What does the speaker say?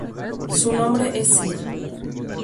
Su nombre es Sid.